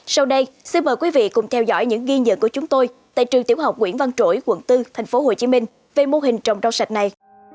sau đây xin mời quý vị cùng theo dõi những ghi nhận của chúng tôi tại trường tiểu học nguyễn văn trỗi quận bốn tp hcm về mô hình trồng rau sạch này